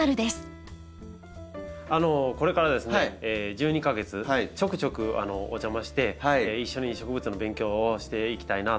これからですね１２か月ちょくちょくお邪魔して一緒に植物の勉強をしていきたいなと思います。